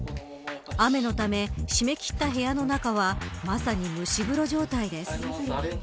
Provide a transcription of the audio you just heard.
雨のため、締め切った部屋の中はまさに蒸し風呂状態です。